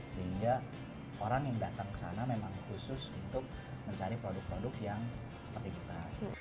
sehingga orang yang datang ke sana memang khusus untuk mencari produk produk yang seperti kita